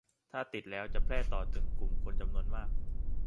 หรือถ้าติดแล้วจะแพร่ต่อถึงกลุ่มคนจำนวนมาก